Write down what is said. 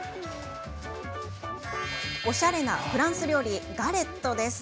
おしゃれなフランス料理ガレットです。